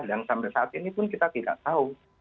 dan sampai saat ini pun kita tidak tahu